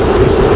itu udah gila